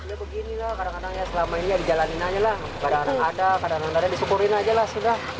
udah begini lah kadang kadang ya selama ini ya dijalanin aja lah kadang kadang ada kadang kadang disyukurin aja lah sudah